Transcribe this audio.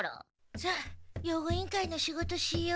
さあ用具委員会の仕事しよう。